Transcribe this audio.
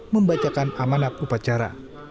membacakan amanat upacara